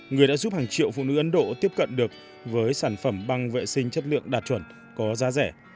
người đã giúp hàng triệu phụ nữ ấn độ tiếp cận được với sản phẩm băng vệ sinh chất lượng đạt chuẩn có giá rẻ